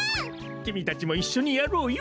きみたちもいっしょにやろうよ。